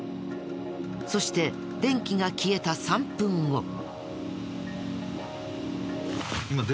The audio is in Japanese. そして電気が消えた３分後。